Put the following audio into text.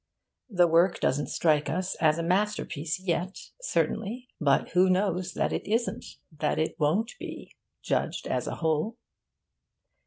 The work doesn't strike us as a masterpiece yet, certainly; but who knows that it isn't that it won't be, judged as a whole?